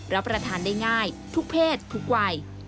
รับประทานได้ง่ายทุกเพศทุกวัย